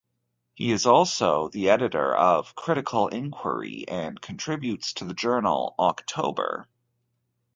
He is also the editor of "Critical Inquiry", and contributes to the journal "October".